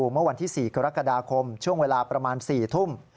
เมื่อวันที่๔กรกฎาคมช่วงเวลาประมาณ๔ทุ่ม